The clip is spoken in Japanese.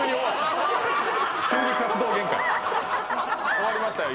終わりましたよ